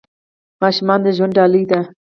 ماشومان د ژوند ډالۍ دي .